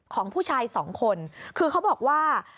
ของผู้ชายสองคนคือเขาบอกว่า